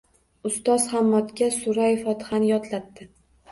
Ustoz Hammodga surai Fotihani yodlatdi